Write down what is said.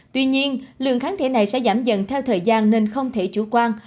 tuy nhiên lượng kháng thể này sẽ giảm dần theo thời gian nên không thể chủ quan